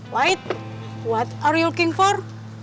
white apa yang mau kamu lakukan